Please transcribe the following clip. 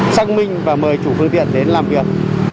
xác minh và mời chủ phương tiện đến làm việc